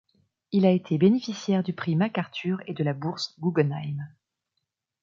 Il a été bénéficiaire du prix MacArthur et de la bourse Guggenheim.